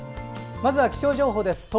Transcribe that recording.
まずは気象情報です。